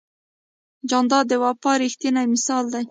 جانداد د وفا ریښتینی مثال دی.